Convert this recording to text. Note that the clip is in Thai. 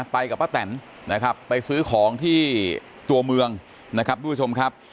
กับป้าแตนนะครับไปซื้อของที่ตัวเมืองนะครับทุกผู้ชมครับ